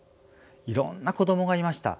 いろんな子どもがいました。